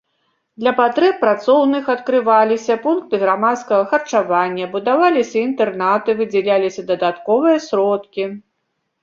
Для патрэб працоўных адкрываліся пункты грамадскага харчавання, будаваліся інтэрнаты, выдзяляліся дадатковыя сродкі.